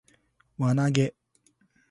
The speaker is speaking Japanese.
輪投げ